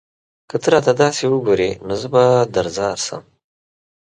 که ته راته داسې وگورې؛ نو زه به درځار شم